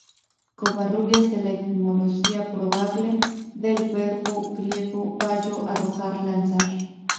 Covarrubias da la etimología probable, del verbo griego "ballo", arrojar, lanzar.